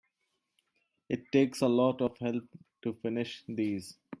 It takes a lot of help to finish these.